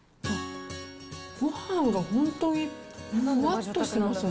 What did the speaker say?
ごはんが本当にふわっとしてますね。